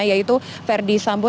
yaitu ferdi sambo